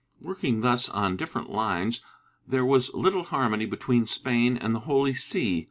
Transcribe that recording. Working thus on different lines, there was little harmony be tween Spain and the Holy See.